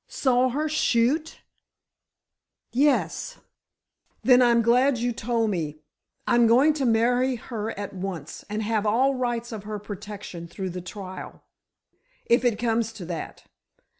"Saw her shoot?" "Yes." "Then, I'm glad you told me. I'm going to marry her at once, and have all rights of her protection through the trial—if it comes to that.